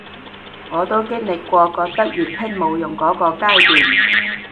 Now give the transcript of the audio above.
我都經歷過覺得粵拼冇用箇個階段